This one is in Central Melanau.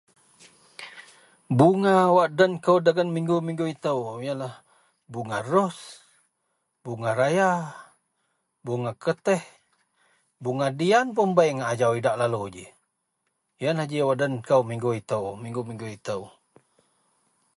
bunga wak den kou mingu-mingu itou ienlah bunga rose, bunga raya, bunga kertih, bunga diyan pun bei ngak ajou idak lalu ji, ienlah ji wak den kou mingu itou, mingu-mingu itou